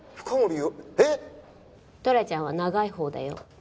トラちゃんは長いほうだよ。